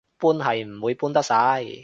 搬係唔會搬得晒